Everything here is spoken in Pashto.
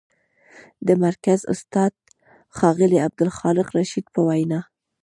د مرکز استاد، ښاغلي عبدالخالق رشید په وینا: